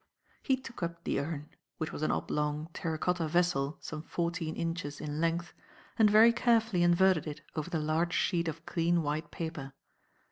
He took up the urn which was an oblong, terracotta vessel some fourteen inches in length and very carefully inverted it over the large sheet of clean white paper.